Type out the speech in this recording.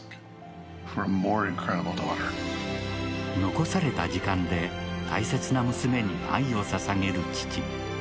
残された時間が大切な娘に愛をささげる父。